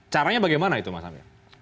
caranya bagaimana itu mas amir